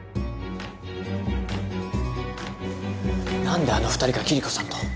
何であの２人がキリコさんと。